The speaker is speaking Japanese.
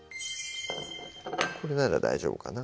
これなら大丈夫かな